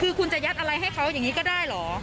คือคุณจะยัดอะไรให้เขาอย่างนี้ก็ได้เหรอ